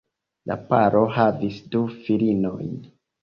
La paro havis du filinojn.